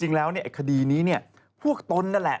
นึกไม่ต้องนึกก่อนทำ